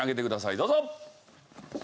どうぞ！